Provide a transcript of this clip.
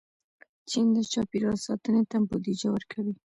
چین د چاپېریال ساتنې ته بودیجه ورکوي.